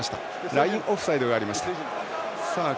ラインオフサイドがありました。